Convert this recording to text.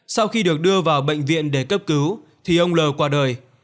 sau khi được đưa vào bệnh viện để cấp cứu thì ông l qua đời